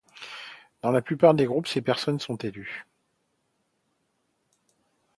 Dans la plupart des groupements, ces personnes sont élues.